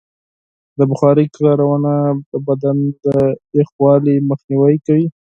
د بخارۍ کارونه د بدن د یخوالي مخنیوی کوي.